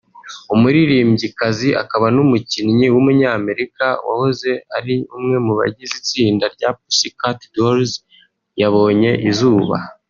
umuririmbyikazi akaba n’umubyinnyi w’umunyamerika wahoze ari umwe mu bagize itsinda rya Pussycat Dolls yabonye izuba